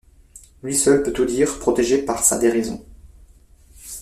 Lui seul peut tout dire, protégé par sa déraison.